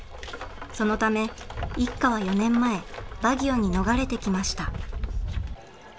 そのため一家は４年前バギオに逃れてきました。